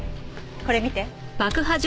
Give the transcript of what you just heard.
これ見て。